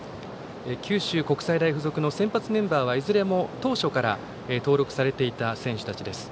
九州国際大付属の先発メンバーはいずれも当初から登録されていた選手たちです。